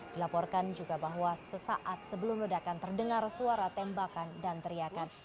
dilaporkan juga bahwa sesaat sebelum ledakan terdengar suara tembakan dan teriakan